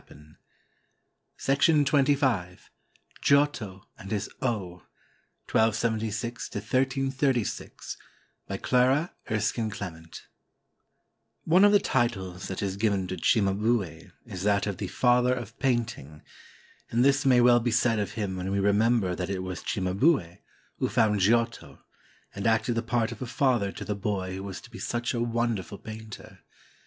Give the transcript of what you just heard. Now he holds his place among the stars of heaven." GIOTTO AND HIS "0" [i 276 1336] BY CLARA ERSKINE CLEMENT One of the titles that is given to Cimabue is that of the "Father of Painting"; and this may well be said of him when we remember that it was Cimabue who found Giotto, and acted the part of a father to the boy who was to be such a wonderful painter.